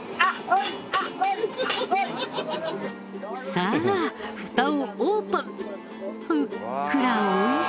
さあ蓋をオープン！